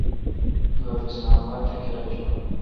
دوابھ اسلام اباد تھ کیرا چوں ۔